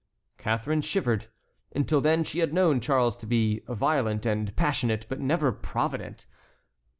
Catharine shivered. Until then she had known Charles to be violent and passionate, but never provident.